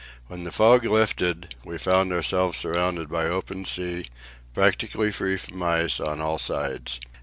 When the fog lifted, we found ourselves surrounded by open sea, practically free from ice, on all sides.